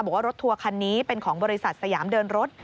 รถทัวร์คันนี้เป็นของบริษัทสยามเดินรถ